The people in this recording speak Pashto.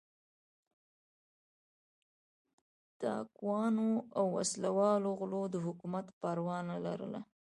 ډاکوانو او وسله والو غلو د حکومت پروا نه لرله.